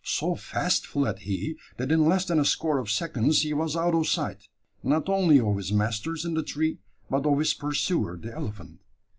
So fast fled he, that in less than a score of seconds he was out of sight not only of his masters in the tree, but of his pursuer, the elephant.